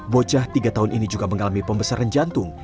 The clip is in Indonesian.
bocah tiga tahun ini juga mengalami pembesaran jantung